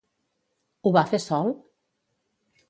Ho va fer sol?